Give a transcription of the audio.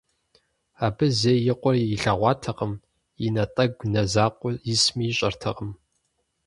Абы зэи и къуэр илъэгъуатэкъым, и натӏэгу нэ закъуэ исми ищӏэртэкъым.